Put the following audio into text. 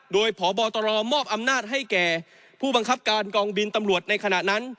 โดยพบตรมอบอำนาจให้แก่ผู้บังคับการกองบินตำรวจในขณะนั้น